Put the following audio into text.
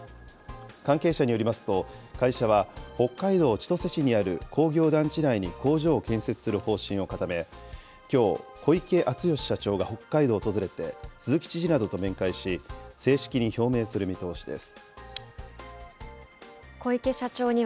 関係者によりますと、会社は北海道千歳市にある工業団地内に工場を建設する方針を固め、きょう、小池淳義社長が北海道を訪れて、鈴木知事などと面会し、正式に表明する見通しです。